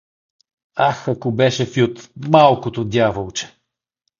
Ах, ако беше Фют — малкото дяволче!